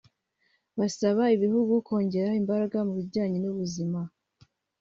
basaba ibihugu kongera imbaraga mu bijyanye n’ubuzima